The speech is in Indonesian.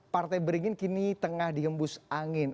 partai beringin kini tengah dihembus angin